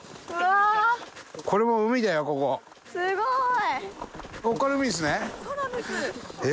すごい！